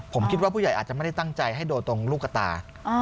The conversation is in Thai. ผมคิดว่าผู้ใหญ่อาจจะไม่ได้ตั้งใจให้โดนตรงลูกกระตา